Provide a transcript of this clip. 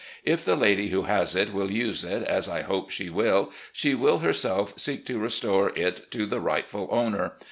If the lady who has it will use it, as I hope she will, she will herself seek to restore it to the rightful owner.